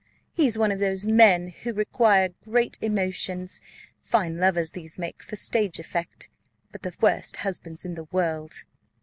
He is one of those men who require great emotions: fine lovers these make for stage effect but the worst husbands in the world!